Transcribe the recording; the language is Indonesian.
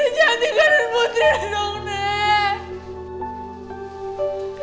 nenek jangan tinggalin putri dong nek